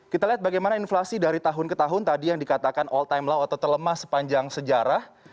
kita lihat bagaimana inflasi dari tahun ke tahun tadi yang dikatakan all time law atau terlemah sepanjang sejarah